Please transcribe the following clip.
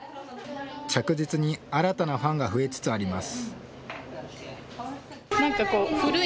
着実に新たなファンが増えつつあります。